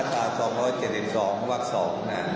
ตรา๒๗๒วัก๒นะ